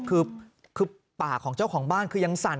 คือปากของเจ้าของบ้านคือยังสั่น